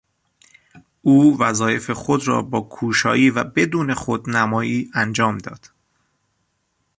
او وظایف خود را با کوشایی و بدون خودنمایی انجام داد.